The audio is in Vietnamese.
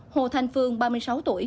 hồ thanh phương ba mươi sáu tuổi